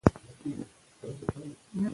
زما په کورنۍ کې ټول خلک پښتو خبرې کوي.